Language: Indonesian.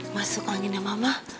masuk angin ya mama